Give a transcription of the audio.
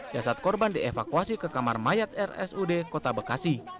jasad korban dievakuasi ke kamar mayat rsud kota bekasi